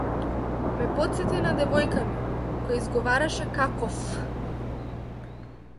Ме потсети на девојка ми која изговараше какоф.